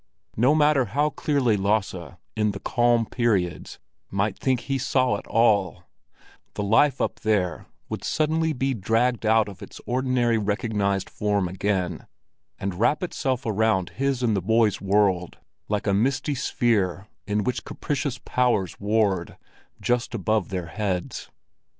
No matter how clearly Lasse, in the calm periods, might think he saw it all, the life up there would suddenly be dragged out of its ordinary recognized form again, and wrap itself around his and the boy's world like a misty sphere in which capricious powers warred—just above their heads.